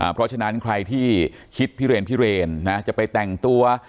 เพราะฉะนั้นใครที่คิดพิเรนพิเรนจะไปแต่งตัว